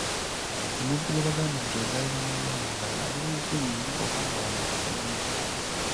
Omuntu gwe bagamba nti yazaalibwa n'obulo mu ngalo abeera mufunyi nnyo oba nga wa mukisa nnyo